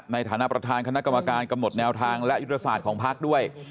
ในฐานะประธานคณะกรรมการกำหนดแนวทางและยุทธศาสตร์ของพักด้วย